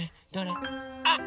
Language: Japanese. あっ！